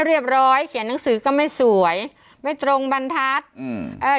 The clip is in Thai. เรียบร้อยเขียนหนังสือก็ไม่สวยไม่ตรงบรรทัศน์อืมเอ่อ